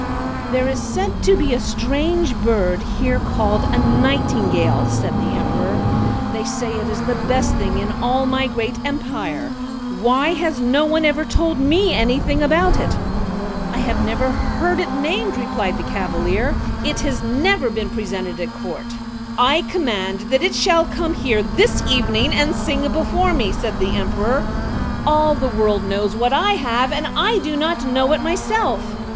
"There is said to be a strange bird here called a Nightingale!" said the Emperor. "They say it is the best thing in all my great empire. Why has no one ever told me anything about it?" "I have never heard it named," replied the Cavalier. "It has never been presented at court." "I command that it shall come here this evening, and sing before me," said the Emperor. "All the world knows what I have, and I do not know it myself!"